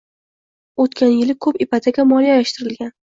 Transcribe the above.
Oʻtgan yil koʻp ipoteka moliyalashtirilgan.